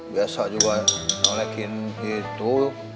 biasa juga nolekin gitu